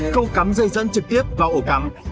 không cắm dây dẫn trực tiếp vào ổ cắm